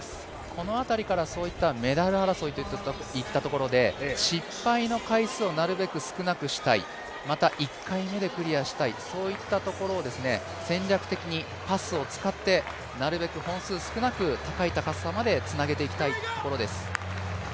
この辺りからメダル争いといったところで失敗の回数をなるべく少なくしたいまた１回目でクリアしたいといったところを戦略的にパスを使ってなるべく本数少なく、高い高さまでつなげていきたいところです。